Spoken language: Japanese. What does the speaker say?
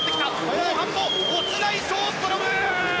後半も落ちないショーストロム！